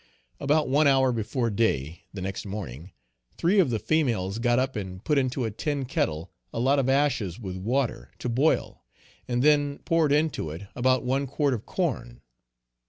About one hour before day, the next morning, three of the females got up and put into a tin kettle a lot of ashes with water, to boil, and then poured into it about one quart of corn.